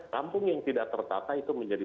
kampung yang tidak tertata itu menjadi